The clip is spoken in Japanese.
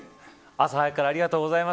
朝早くからありがとうございます。